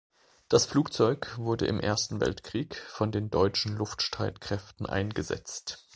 Das Flugzeug wurde im Ersten Weltkrieg von den deutschen Luftstreitkräften eingesetzt.